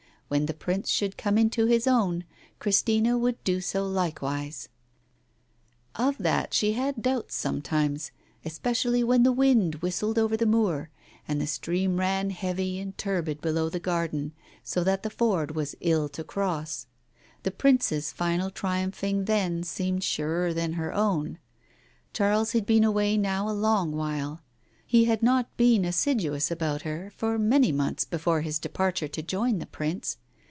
When the Prince should come into his own, Christina would do so like wise. Of that she had doubts sometimes, especially when the wind whistled over the moor, and the stream ran heavy and turbid below the garden, so that the ford was Digitized by Google THE BLUE BONNET 165 ill to cross. The Prince's final triumphing then seemed surer than her own. Charles had been away now a long while. He had not been assiduous about her for many months before his departure to join the Prince.